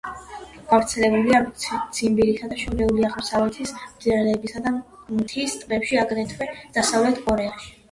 გავრცელებულია ციმბირისა და შორეული აღმოსავლეთის მდინარეებსა და მთის ტბებში, აგრეთვე დასავლეთ კორეაში.